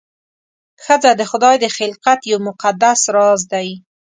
ښځه د خدای د خلقت یو مقدس راز دی.